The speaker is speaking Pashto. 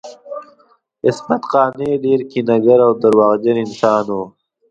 عصمت قانع ډیر کینه ګر او درواغجن انسان دی